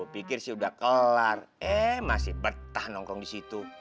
pikir sih udah kelar eh masih betah nongkrong di situ